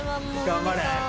頑張れ！